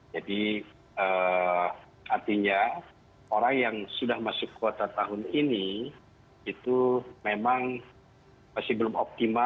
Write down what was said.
jadi artinya orang yang sudah masuk kuota tahun ini itu memang masih belum